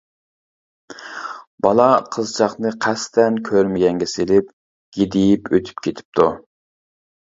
بالا قىزچاقنى قەستەن كۆرمىگەنگە سېلىپ گىدىيىپ ئۆتۈپ كېتىپتۇ.